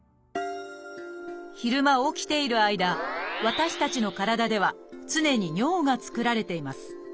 昼間起きている間私たちの体では常に尿が作られています。